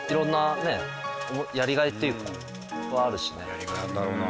やりがいあるだろうな。